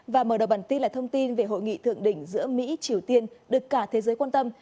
và mở đầu bản tin là thông tin về hội nghị thượng đỉnh giữa mỹ triều tiên được cả thế giới quan tâm